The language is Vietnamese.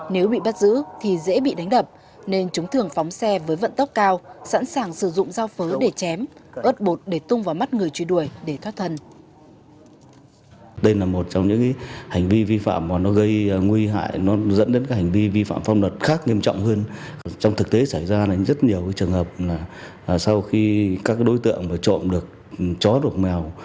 nếu bị bắt giữ thì dễ bị đánh đập nên chúng thường phóng xe với vận tốc cao sẵn sàng sử dụng dao phớ để chém ớt bột để tung vào mắt người truy đuổi để thoát thần